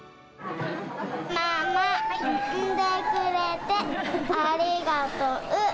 ママ、産んでくれてありがとう。